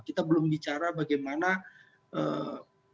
kita belum bicara bagaimana menggunakan alasan segi dunia